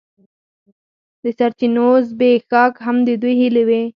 د سرچینو زبېښاک هم د دوی هیلې وې.